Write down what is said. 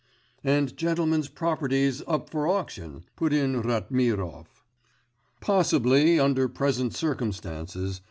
'And gentlemen's properties up for auction,' put in Ratmirov. 'Possibly under present circumstances....